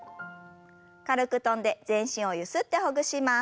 軽く跳んで全身をゆすってほぐします。